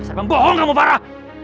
mas arban bohong kamu farah